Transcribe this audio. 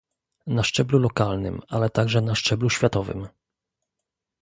na szczeblu lokalnym, ale także na szczeblu światowym